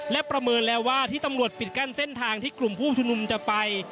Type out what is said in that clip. และประเมินแล้วว่าที่ตำรวจปิดกั้นเส้นทางที่กลุ่มผู้ชุมนุมจะไป